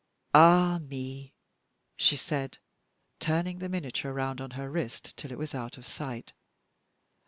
"Ah me!" she said, turning the miniature round on her wrist till it was out of sight.